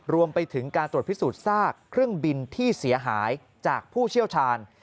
รวมไปถึงการตรวจพิสูจน์ซากเครื่องบินที่เสียหายจากผู้เชี่ยวชาญ